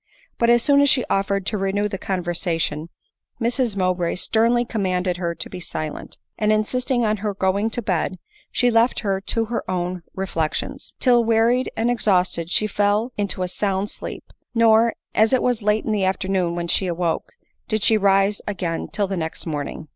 But as soon as she offered to renew the conversation, Mrs Mowbray sternly commanded her to be silent ; and insisting on her going to bed, she left her to her own re flections, till wearied and exhausted she fell into a sound sleep ; nor, as it was late in the evening when she awoke, did she rise again till the next morning.